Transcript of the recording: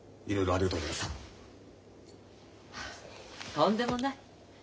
とんでもない。